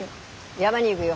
山に行ぐよ。